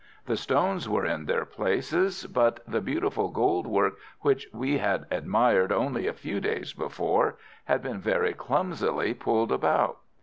The stones were in their places, but the beautiful gold work which we had admired only a few days before had been very clumsily pulled about.